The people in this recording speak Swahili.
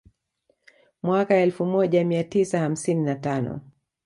Mwaka elfu moja mia tisa hamsini na tano